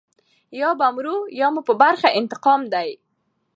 یا به مرو یا مو په برخه انتقام دی.